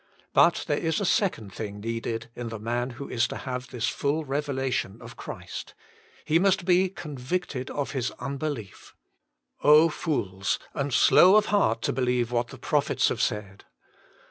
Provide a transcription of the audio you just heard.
But there is a second thing needed in the man who is to have this full revelation of Christ. He must be Jesus HivMelf, 21 aont^tcted of bid unbelief* Oh I fools, and slow of heart to be lieve what the prophets have said."